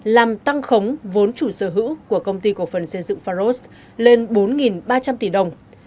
làm tăng khống vốn chủ sở hữu của công ty cổ phần xây dựng pharos lên bốn ba trăm linh tỷ đồng